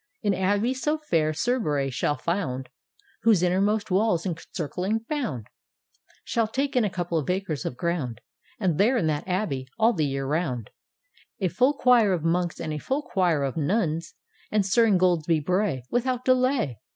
An Abbey so fair Sir Bray shall found, Whose innermost wall's encircling bound Shall take in a couple of acres of ground; And there in that Abbey, all the year round, A full choir of monks and a full choir of nuns, And Sir Ingoldsby Bray, Without delay.